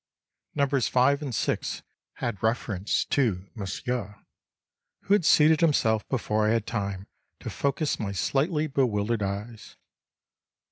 Numbers five and six had reference to Monsieur, who had seated himself before I had time to focus my slightly bewildered eyes.